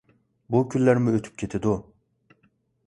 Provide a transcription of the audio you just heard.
بۇ كۈنلەرمۇ ئۆتۈپ كېتىدۇ.